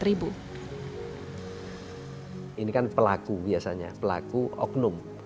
ini kan pelaku biasanya pelaku oknum